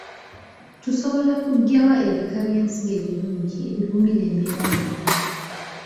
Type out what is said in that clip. Tusobola kuggyawa ebika by'ensigo ebirungi ebigumira embeera yonna?